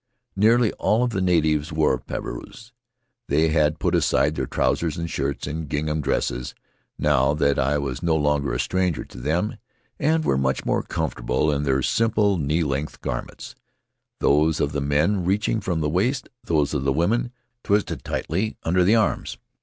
Nearly all of the natives wore pareus. They had put aside their trousers and shirts and gingham dresses now that I was no longer a stranger to them, and were much more comfortable in their simple, knee length garments, those of the men reaching from the waist, those of the women twisted tightly under the arms.